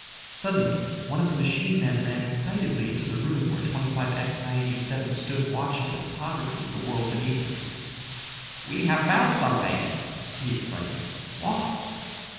Suddenly, one of the machine men ran excitedly into the room where 25X 987 stood watching the topography of the world beneath him. "We have found something!" he exclaimed. "What?"